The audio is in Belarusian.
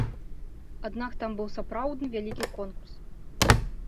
Аднак там быў сапраўды вялікі конкурс.